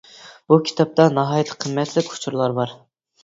بۇ كىتابتا ناھايىتى قىممەتلىك ئۇچۇرلار بار.